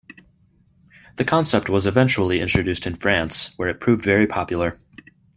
The concept was eventually introduced in France, where it proved very popular.